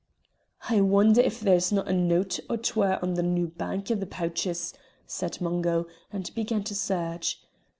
"I wonder if there's no' a note or twa o' the New Bank i' the pouches," said Mungo, and began to search.